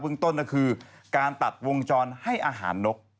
เบื้องต้นคือการตัดวงจรให้อาหารนก